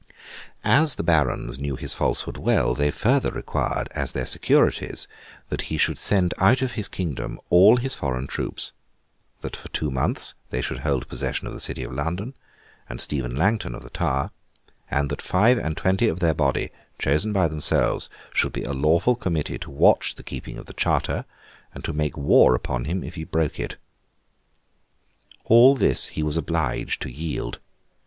As the Barons knew his falsehood well, they further required, as their securities, that he should send out of his kingdom all his foreign troops; that for two months they should hold possession of the city of London, and Stephen Langton of the Tower; and that five and twenty of their body, chosen by themselves, should be a lawful committee to watch the keeping of the charter, and to make war upon him if he broke it. All this he was obliged to yield.